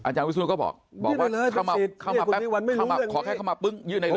อาจารย์วิศูนย์ก็บอกขอแค่เข้ามาปึ้งยื่นได้เลย